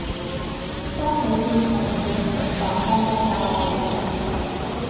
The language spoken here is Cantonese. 當你變成疫情防控嘅受害者